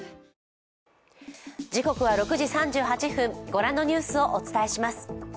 ご覧のニュースをお伝えします。